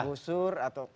usur atau semacam itu